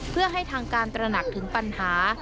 เพื่อให้ทางการตระหนักถึงปัญหา